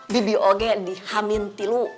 bibi oge di hamil tiga